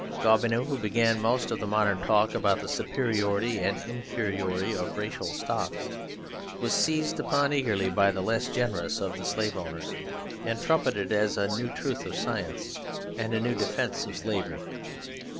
Gobineau, who began most of the modern talk about the superiority and inferiority of racial stocks, was seized upon eagerly by the less generous of the slave owners and trumpeted as a new truth of science and a new defence of slavery.